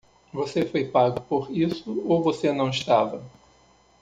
Você foi pago por isso ou você não estava?